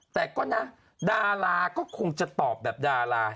แต่ก็นะดาราก็คงจะตอบแบบดารา